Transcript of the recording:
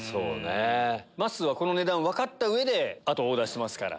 まっすーはこの値段分かった上であとオーダーしてますから。